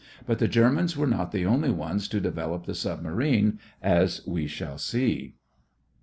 But the Germans were not the only ones to develop the submarine, as we shall see.